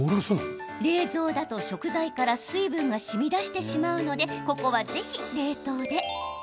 冷蔵だと、食材から水分がしみ出してしまうのでここはぜひ冷凍で。